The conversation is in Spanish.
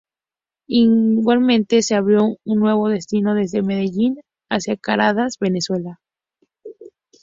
Igualmente se abrió un nuevo destino desde Medellín hacia Caracas, Venezuela.